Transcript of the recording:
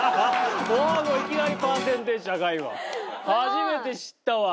初めて知ったわ。